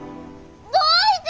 どういて！？